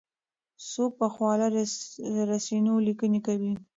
څوک په خواله رسنیو لیکنې کوي؟